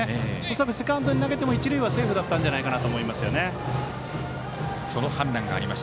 恐らくセカンドに投げても一塁はセーフだったんじゃないかと思います。